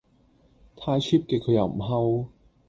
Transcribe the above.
太 Cheap 嘅佢又唔吼